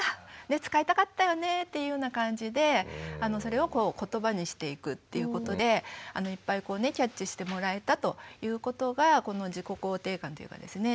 で使いたかったよね」っていうような感じでそれをことばにしていくということでいっぱいこうねキャッチしてもらえたということがこの自己肯定感っていうかですね